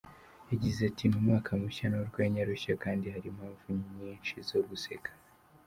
Yagize ati “Ni umwaka mushya n’urwenya rushya kandi hari impamvu nyinshi zo guseka.